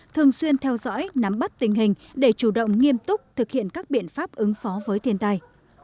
thường xuyên theo dõi nắm bắt tình hình để chủ động nghiêm túc thực hiện các biện pháp ứng phó với thiên tai